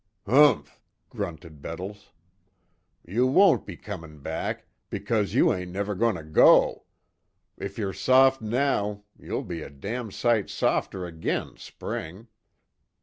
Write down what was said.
"Humph," grunted Bettles, "You won't be comin' back because you ain't never goin' to go. If yer soft now, you'll be a damn sight softer agin spring.